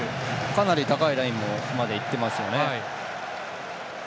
かなり高いラインまで行ってますよね。